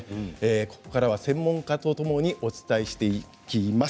ここからは専門家とともにお伝えしていきます。